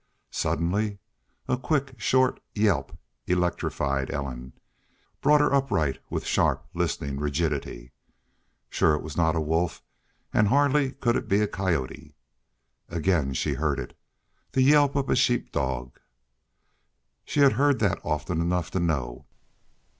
Suddenly a quick, short, yelp electrified Ellen, brought her upright with sharp, listening rigidity. Surely it was not a wolf and hardly could it be a coyote. Again she heard it. The yelp of a sheep dog! She had heard that' often enough to know.